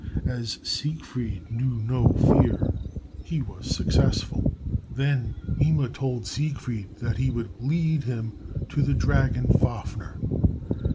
As Siegfried knew no fear, he was successful. Then Mime told Siegfried that he would lead him to the dragon Fafner.